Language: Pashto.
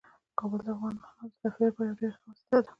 کابل د افغانانو د تفریح لپاره یوه ډیره ښه وسیله ده.